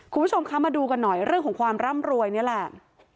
คุณผู้ชมคะมาดูกันหน่อยเรื่องของความร่ำรวยนี่แหละ